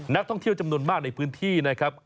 นักท่องเที่ยวจำนวนมากในพื้นที่นะครับ